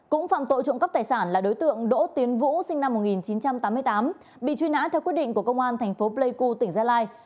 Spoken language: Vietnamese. cũng phạm tội trộm cắp tài sản là đối tượng đỗ tiến vũ sinh năm một nghìn chín trăm tám mươi tám bị truy nã theo quyết định của công an thành phố pleiku tỉnh gia lai